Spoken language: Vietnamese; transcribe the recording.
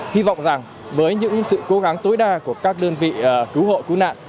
hy vọng rằng với những sự cố gắng tối đa của các đơn vị cứu hộ cứu nạn